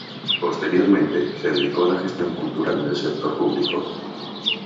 Posteriormente, se dedicó a la gestión cultural en el sector público.